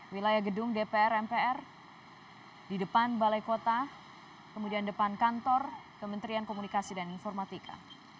wilayah gedung dpr mpr di depan balai kota kemudian depan kantor kementerian komunikasi dan informatika